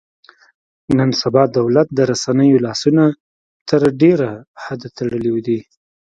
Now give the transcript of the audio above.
نن سبا دولت د رسنیو لاسونه تر ډېره حده تړلي دي.